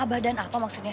abah dan apa maksudnya